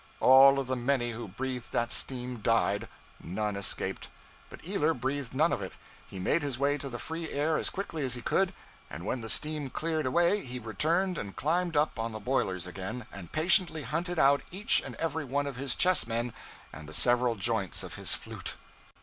All of the many who breathed that steam, died; none escaped. But Ealer breathed none of it. He made his way to the free air as quickly as he could; and when the steam cleared away he returned and climbed up on the boilers again, and patiently hunted out each and every one of his chessmen and the several joints of his flute.